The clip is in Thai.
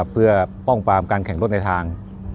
เพื่อป้องปรามการแข่งรถในทาง